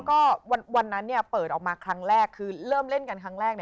ข้างที่สองหนูเริ่มงงแล้วว่า